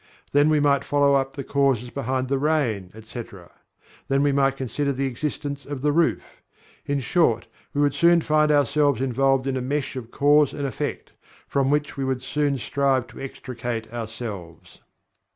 Then we might follow up the causes behind the rain, etc. Then we might consider the existence of the roof In short, we would soon find ourselves involved in a mesh of cause and effect, from which we would soon strive to extricate ourselves.